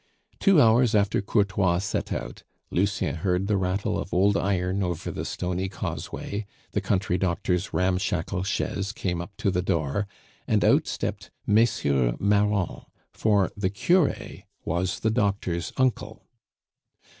Two hours after Courtois set out, Lucien heard the rattle of old iron over the stony causeway, the country doctor's ramshackle chaise came up to the door, and out stepped MM. Marron, for the cure was the doctor's uncle.